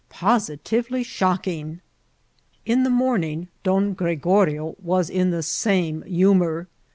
positively shocking !'' In the morning Don Gregorio was in the same hu mour.